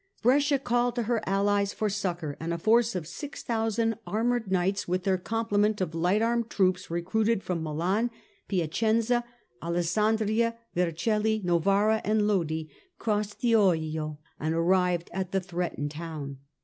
Brescia called to her allies for succour, and a force of 6000 armoured knights, with their comple ment of light armed troops, recruited from Milan, Piacenza, Alessandria, Vercelli, Novara and Lodi, crossed the Oglio and arrived at the threatened city.